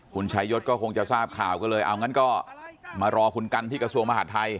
คุณชายศก็คงจะทราบข่าวก็เลยเอางั้นก็มารอคุณกันที่กระทรวงมหาดไทย